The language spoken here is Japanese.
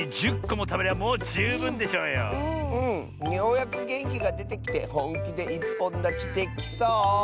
ようやくげんきがでてきてほんきでいっぽんだちできそう。